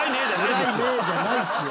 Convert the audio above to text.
「えらいねぇ」じゃないっすよ！